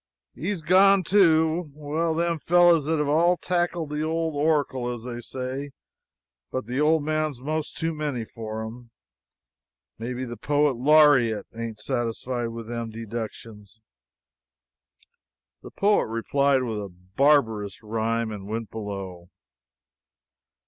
"He's gone, too. Well, them fellows have all tackled the old Oracle, as they say, but the old man's most too many for 'em. Maybe the Poet Lariat ain't satisfied with them deductions?" The poet replied with a barbarous rhyme and went below.